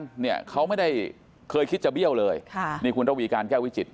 เนี่ยเขาไม่ได้เคยคิดจะเบี้ยวเลยค่ะนี่คุณระวีการแก้ววิจิต